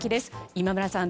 今村さん